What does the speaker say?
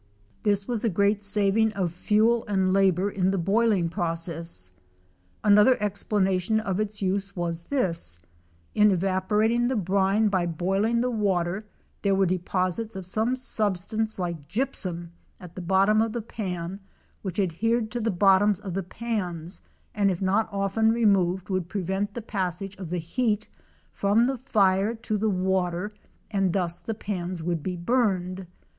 This was a great saving of fuel 256 and labor in the boiling prooess. Another explanation of its use was this: In evaporating the brine by boiling the water there were de posits of some substance like gypsum in the bottom of the pan which adhered to the bottoms of the pans and if not often removed would prevent the passage of the heat from the fire to the water and thus the pans would be burned.